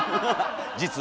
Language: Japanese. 実は。